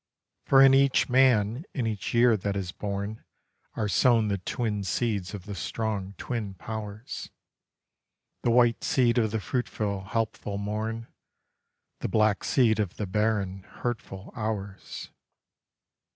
For in each man and each year that is born Are sown the twin seeds of the strong twin powers; The white seed of the fruitful helpful morn, The black seed of the barren hurtful hours.